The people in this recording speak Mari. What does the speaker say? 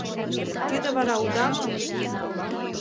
Тиде вара уда мо?